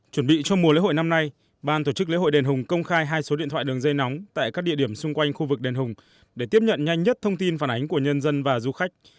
chuẩn bị cho mùa lễ hội năm nay ban tổ chức lễ hội đền hùng công khai hai số điện thoại đường dây nóng tại các địa điểm xung quanh khu vực đền hùng để tiếp nhận nhanh nhất thông tin phản ánh của nhân dân và du khách